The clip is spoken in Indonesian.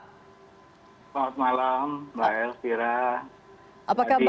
selamat malam mbak elvira